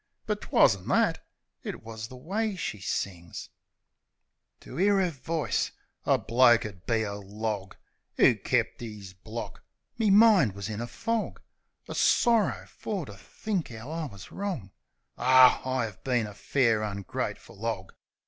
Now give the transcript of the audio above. ... But 'twasn't that; it was the way she sings. THE SIREN 57 To 'ear 'er voice! ... A bloke 'ud be a log 'Oo kep' 'is block. Me mind wus in a fog Of sorrer for to think 'ow I wus wrong Ar, I 'ave been a fair ungrateful 'og!